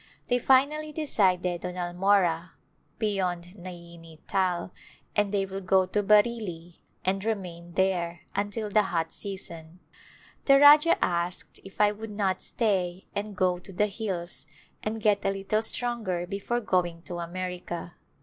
They finally decided on Almorah, beyond Naini Tal and Last Days they will go to Bareilly and remain there until the hot season. The Rajah asked if I would not stay and go to the hills and get a little stronger before going to America.